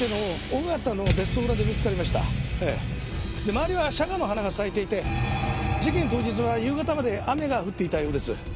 周りはシャガの花が咲いていて事件当日は夕方まで雨が降っていたようです。